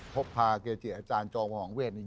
พบพาเกจิตอาจารย์จองห่องเวทย์